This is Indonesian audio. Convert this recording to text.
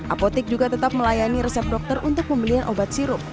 apotek juga tetap melayani resep dokter untuk pembelian obat